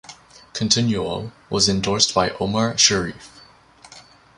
Continuo was endorsed by Omar Sharif.